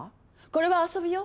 これは遊びよ。